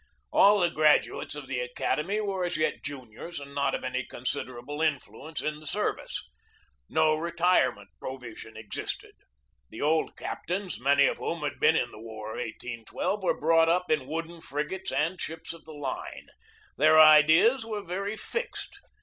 All the graduates of the academy were as yet juniors and not of any consid erable influence in the service. No retirement pro vision existed. The old captains, many of whom had been in the War of 1812, were brought up in wooden frigates and ships of the line. Their ideas were very fixed.